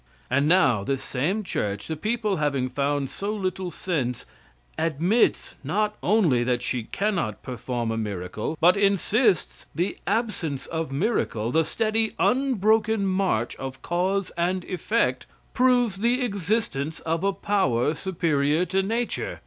And now this same church the people having found so little sense admits, not only, that she cannot perform a miracle, but insists that absence of miracle the steady, unbroken march of cause and effect, proves the existence of a power superior to nature.